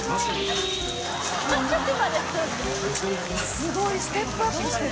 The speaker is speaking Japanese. すごいステップアップしてる。